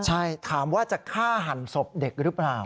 ใช่ถามว่าจะฆ่าหันศพเด็กหรือเปล่า